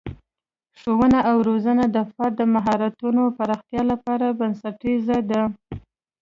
ښوونه او روزنه د فرد د مهارتونو پراختیا لپاره بنسټیزه ده.